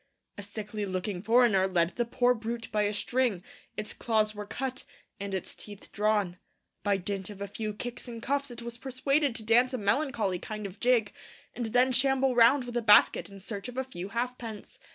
A sickly looking foreigner led the poor brute by a string. Its claws were cut, and its teeth drawn. By dint of a few kicks and cuffs it was persuaded to dance a melancholy kind of jig, and then shamble round with a basket in search of a few half pence.